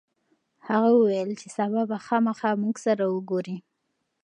هغه وویل چې سبا به خامخا موږ سره وګوري.